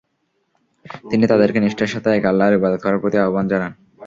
তিনি তাদেরকে নিষ্ঠার সাথে এক আল্লাহর ইবাদত করার প্রতি আহ্বান জানান।